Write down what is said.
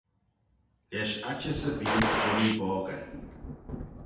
Lesh aittys erbee jannoo boggey.